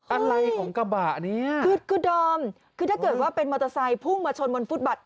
อะไรของกระบะเนี้ยคือคือดอมคือถ้าเกิดว่าเป็นมอเตอร์ไซค์พุ่งมาชนบนฟุตบัตร